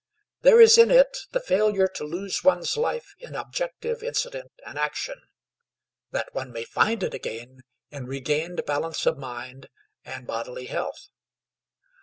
There is in it the failure to lose one's life in objective incident and action, that one may find it again in regained balance of mind and bodily health.